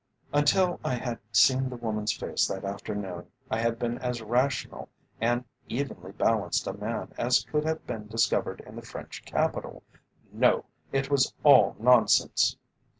Until I had seen the woman's face that afternoon, I had been as rational and evenly balanced a man as could have been discovered in the French capital. No! it was all nonsense!